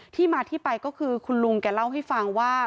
ที่มาที่ไปก็คือคุณลุงแกเล่าให้ฟังว่า